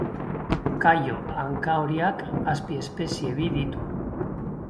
Kaio hankahoriak azpiespezie bi ditu.